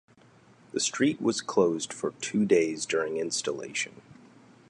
The street was closed for two days during installation.